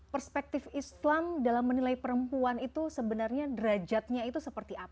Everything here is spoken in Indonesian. perspektif islam dalam menilai perempuan itu sebenarnya derajatnya itu seperti apa